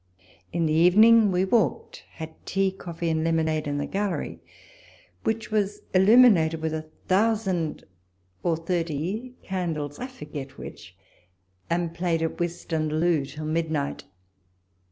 In the evening we walked, had tea, coffee, and lemonade in the Gallery, which was illuminated with a thousand, or thirty candles, I forget which, and played at whist and loo till midnight.